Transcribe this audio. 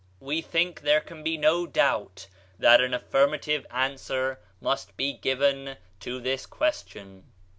We think there can be no doubt that an affirmative answer must be given to this question.